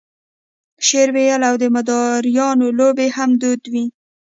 شعر ویل او د مداریانو لوبې هم دود وې.